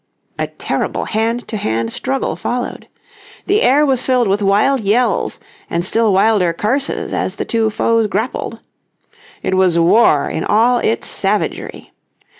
A terrible hand to hand struggle followed. The air was filled with wild yells and still wilder curses as the two foes grappled. It was war in all its savagery.